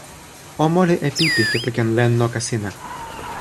o moli e pipi kepeken len noka sina.